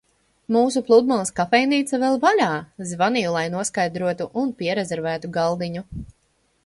Mūsu pludmales kafejnīca vēl vaļā - zvanīju, lai noskaidrotu un pierezervētu galdiņu.